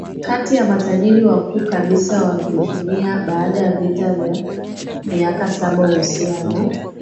kati ya matajiri wakuu kabisa wa VirginiaBaada ya vita ya miaka saba uhusiano